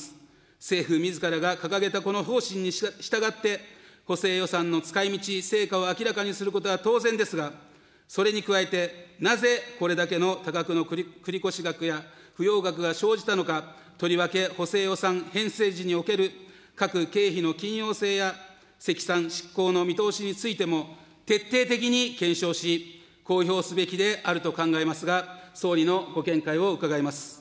政府みずからが掲げたこの方針に従って、補正予算の使いみち、成果を明らかにすることは当然ですが、それに加えて、なぜこれだけの多額の繰越額や不用額が生じたのか、とりわけ補正予算編成時における各経費の緊要性や積算、執行の見通しについても徹底的に検証し、公表すべきであると考えますが、総理のご見解を伺います。